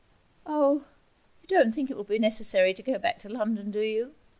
'Oh, you don't think it will be necessary to go back to London, do you?